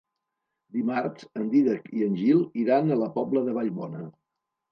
Dimarts en Dídac i en Gil iran a la Pobla de Vallbona.